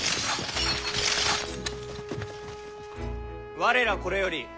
我らこれより本領